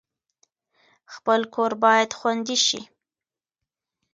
خپل کور باید خوندي شي